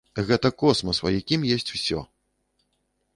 Гэта космас, у якім ёсць усё!